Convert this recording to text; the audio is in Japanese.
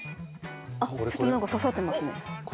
あっちょっと刺さってますね。